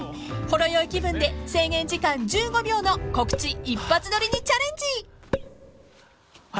［ほろ酔い気分で制限時間１５秒の告知一発撮りにチャレンジ］